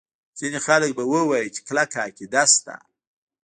ځیني خلک به ووایي چې کلکه عقیده شته.